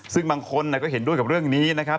ซึ่งบางคนก็เห็นด้วยกับเรื่องนี้นะครับ